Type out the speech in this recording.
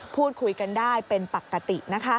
พูดคุยกันได้เป็นปกติ